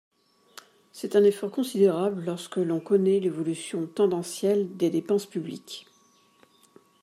C’est un effort considérable lorsque l’on connaît l’évolution tendancielle des dépenses publiques.